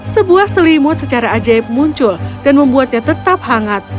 sebuah selimut secara ajaib muncul dan membuatnya tetap hangat